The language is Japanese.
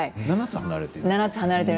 ７つ離れている。